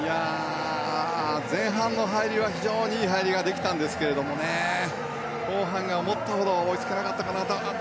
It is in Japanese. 前半の入りは非常にいい入りができたんですけどね後半が思ったほど追いつかなかったかな。